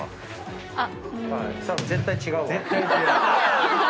絶対違うよね。